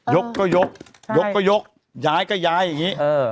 ยกก่อยกยายก็ยายอย่างนี้